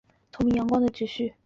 明光宗的女婿。